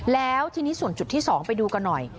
แล้วทีนี้ส่วนจุดที่๒ไปดูกันหน่อย